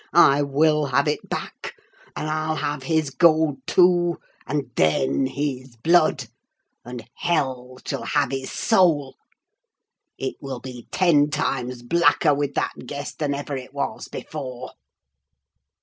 I will have it back; and I'll have his gold too; and then his blood; and hell shall have his soul! It will be ten times blacker with that guest than ever it was before!"